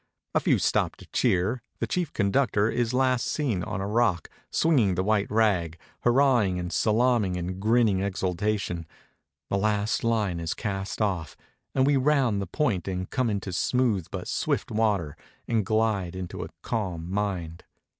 A few stop to cheer; the chief conductor is last seen on a rock, swinging the white rag, hurrahing and salaaming in grinning exultation; the last line is cast off, and we round the point and come into smooth but swift water, and ghde into a calm mind.